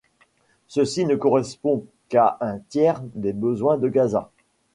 Ceci ne correspond qu'à un tiers des besoins de Gaza.